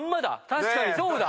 確かにそうだ。